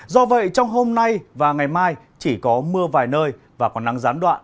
do vậy trong hôm nay và ngày mai chỉ có mưa vài nơi và còn nắng gián đoạn